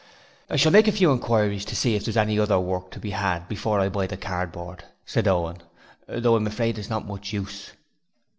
'I shall make a few inquiries to see if there's any other work to be had before I buy the cardboard,' said Owen, 'although I'm afraid it's not much use.'